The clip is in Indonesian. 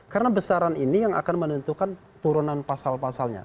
karena besaran ini yang akan menentukan turunan pasal pasalnya